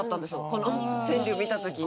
この川柳見た時に。